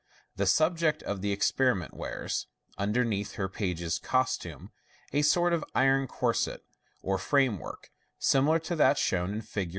The subject of the experiment wears, underneath her page's costume, a sort of iron corset, or framework, similar to that shown in Figs.